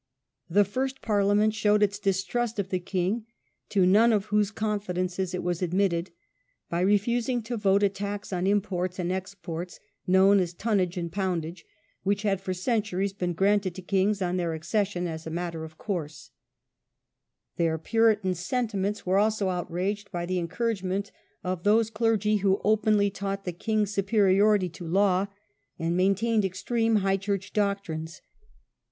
The first Parliament showed its distrust of the king, to none of whose confidences it w^as admitted, by refusing to vote a tax on imports and exports, known as "tunnage and poundage", which had for centuries been granted to kings on their accession as a matter of course. 22 UNSUCCESSFUL EXPEDITIONS. Their Puritan sentiments were also outraged by the en couragement of those clergy who openly taught the king's superiority to law, and maintained extreme high church doctrines.